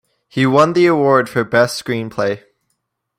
He won the award for Best Screenplay.